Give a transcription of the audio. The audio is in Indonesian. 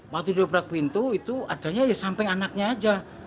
waktu didobrak pintu itu adanya ya samping anaknya saja